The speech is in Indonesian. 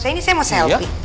ini saya mau selfie